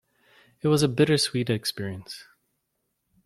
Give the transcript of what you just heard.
It was a bittersweet experience.